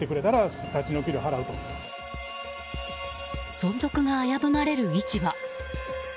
存続が危ぶまれる市場。